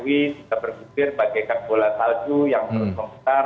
kita berkutir bagai kandung bola talcu yang terus memutar